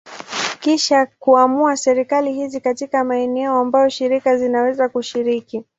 Kisha kuamua serikali hizi katika maeneo ambayo shirika zinaweza kushiriki.